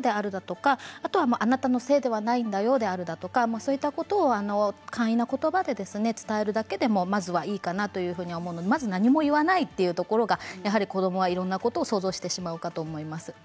であるとかあなたのせいではないんだよであるとか簡易な言葉で伝えるだけでもまずはいいかなと思うので何も言わないということが子どもはいろいろと想像してしまうかと思います。